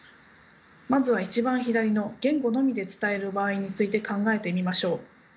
まずは一番左の言語のみで伝える場合について考えてみましょう。